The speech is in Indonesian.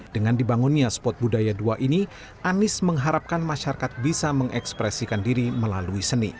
dengan dibangunnya spot budaya dua ini anies mengharapkan masyarakat bisa mengekspresikan diri melalui seni